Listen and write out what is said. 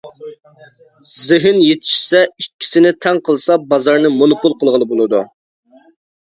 زېھىن يېتىشسە، ئىككىسىنى تەڭ قىلسا بازارنى مونوپول قىلغىلى بولىدۇ.